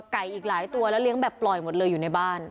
อีกหลายตัวแล้วเลี้ยงแบบปล่อยหมดเลยอยู่ในบ้าน